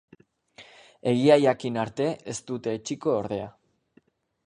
Egia jakin arte ez dute etsiko ordea.